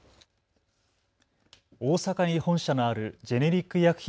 大阪に本社のあるジェネリック医薬品